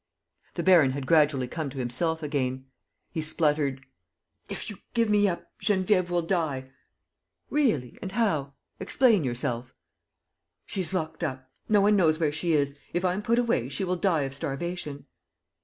The baron had gradually come to himself again. He spluttered: "If you give me up, Geneviève will die." "Really? ... And how? ... Explain yourself." "She is locked up. No one knows where she is. If I'm put away, she will die of starvation."